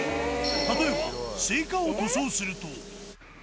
例えばスイカを塗装すると。